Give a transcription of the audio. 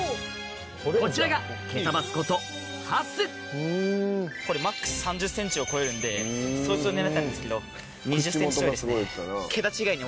こちらがケタバスことハスこれマックス３０ｃｍを超えるんでそいつを狙ったんですけど２０ｃｍちょいですね。